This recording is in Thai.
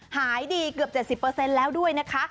หายดีเกือบ๗๐แล้วด้วยนะคะ